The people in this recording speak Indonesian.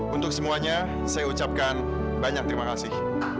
untuk semuanya saya ucapkan banyak terima kasih